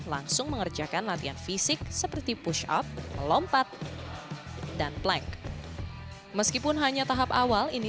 langsung mengerjakan latihan fisik seperti push up melompat dan plank meskipun hanya tahap awal ini